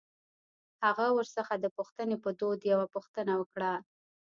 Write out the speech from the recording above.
هغه ورڅخه د پوښتنې په دود يوه پوښتنه وکړه.